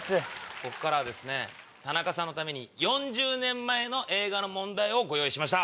ここからはタナカさんのために４０年前の映画の問題をご用意しました。